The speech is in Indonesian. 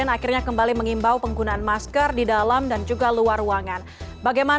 pak alex selamat malam